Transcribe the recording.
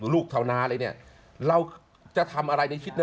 ลูกเทาหน้าเลยเนี่ยเราจะทำอะไรในคิดนั้น